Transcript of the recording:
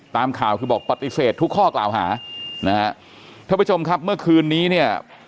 ตามข่าวคือบอกปฏิเสธทุกข้อกล่าวหานะฮะท่านผู้ชมครับเมื่อคืนนี้เนี่ย